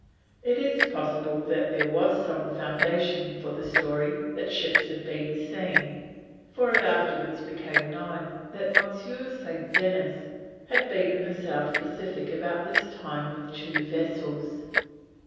It is possible that there was some foundation for the story that ships had been seen, for it afterwards became known that M. St. Dennis had been in the South Pacific about this time with two vessels.